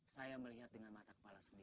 saya melihat dengan mata kepala sendiri